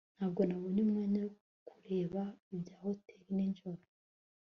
ntabwo nabonye umwanya wo kureba ibya hoteri nijoro